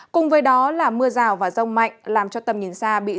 cùng với đó là mưa rào và rông mạnh làm cho tầm nhìn xa bị giảm